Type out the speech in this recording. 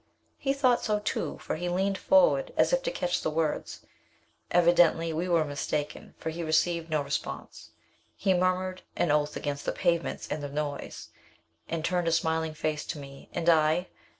He thought so, too, for he leaned forward as if to catch the words. Evidently we were mistaken, for he received no response. He murmured an oath against the pavements and the noise, and turned a smiling face to me and I?